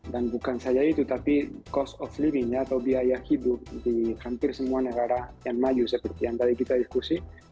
dan bukan saja itu tapi cost of living ya atau biaya hidup di hampir semua negara yang maju seperti yang tadi kita diskusi